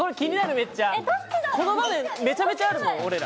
めっちゃこの場面めちゃめちゃあるもん俺ら。